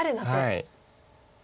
はい。